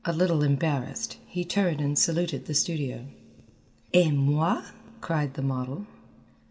A little embarrassed, he turned and saluted the studio. "Et moi?" cried the model.